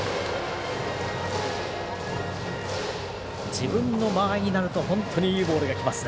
自分の間合いになると本当にいいボールがきますね。